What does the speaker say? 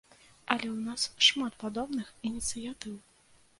Але ў нас шмат падобных ініцыятыў.